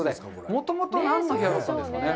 もともとは何の部屋だったんですかね。